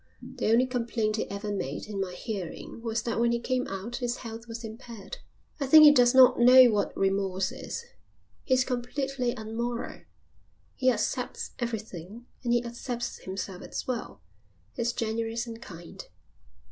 The only complaint he ever made in my hearing was that when he came out his health was impaired. I think he does not know what remorse is. He is completely unmoral. He accepts everything and he accepts himself as well. He's generous and kind."